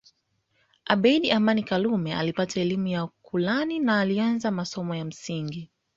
Abeid Amani Karume alipata elimu ya Kurani na alianza masomo ya msingi